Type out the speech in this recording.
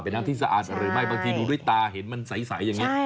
น้ำที่สะอาดหรือไม่บางทีดูด้วยตาเห็นมันใสอย่างนี้